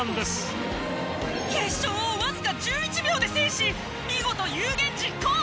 決勝をわずか１１秒で制し見事有言実行！